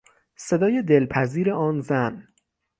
صدای دلپذیر آن زن